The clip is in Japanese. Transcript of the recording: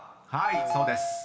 ［はいそうです］